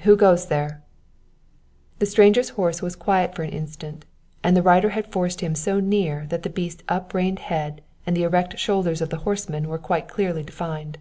"Who goes there?" The stranger's horse was quiet for an instant and the rider had forced him so near that the beast's up reined head and the erect shoulders of the horseman were quite clearly defined.